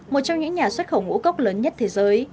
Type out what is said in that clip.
một trong những nhà xuất khẩu ngũ cốc lớn nhất thế giới